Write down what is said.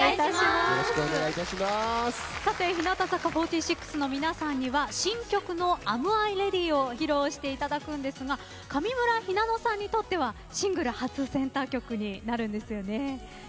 さて日向坂４６の皆さんには新曲の「ＡｍＩｒｅａｄｙ？」を披露していただくんですが上村ひなのさんにとってはシングル初センター曲になるんですよね。